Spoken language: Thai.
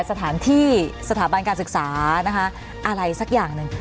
สถานที่สถาบันการศึกษานะคะอะไรสักอย่างหนึ่ง